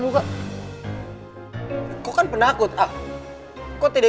si rompis udah jatoh